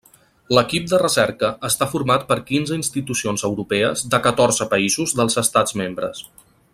L’equip de recerca està format per quinze institucions europees de catorze països dels Estats membres.